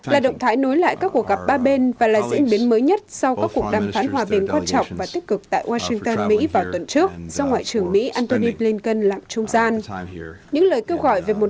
là động thái nối lại các cuộc gặp ba bên và là diễn biến mới nhất sau các cuộc đàm phán hòa bình quan trọng và tích cực tại washington mỹ vào tuần trước do ngoại trưởng mỹ antony blinken làm trung gian